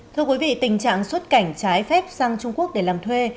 thưa quý vị tình trạng xuất cảnh trái phép sang trung quốc để làm thuê